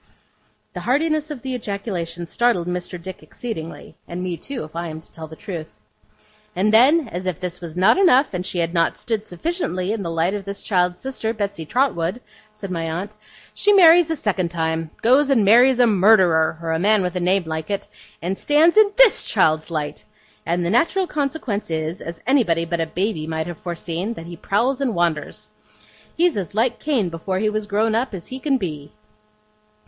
The heartiness of the ejaculation startled Mr. Dick exceedingly; and me, too, if I am to tell the truth. 'And then, as if this was not enough, and she had not stood sufficiently in the light of this child's sister, Betsey Trotwood,' said my aunt, 'she marries a second time goes and marries a Murderer or a man with a name like it and stands in THIS child's light! And the natural consequence is, as anybody but a baby might have foreseen, that he prowls and wanders. He's as like Cain before he was grown up, as he can be.